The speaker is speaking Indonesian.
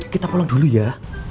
kita pulang dulu ya